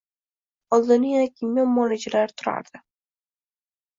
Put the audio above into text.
Oldinda yana kimyo muolajalari turardi.